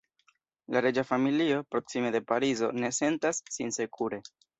La reĝa familio, proksime de Parizo, ne sentas sin sekure.